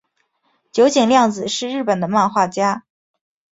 九井谅子是日本的漫画家。